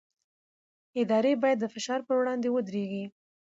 ادارې باید د فشار پر وړاندې ودرېږي